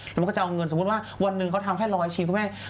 แล้วมันก็จะเอาเงินสมมุติว่าวันหนึ่งเขาทำแค่๑๐๐ชิ้นคุณแม่